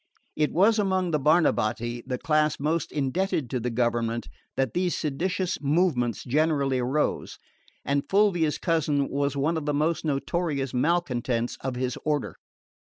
It was among the Barnabotti, the class most indebted to the government, that these seditious movements generally arose; and Fulvia's cousin was one of the most notorious malcontents of his order.